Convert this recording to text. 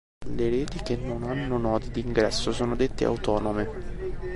Le reti che non hanno nodi di ingresso sono dette "autonome".